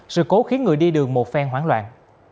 sự cố khiến người đi đường một phen hoảng loạn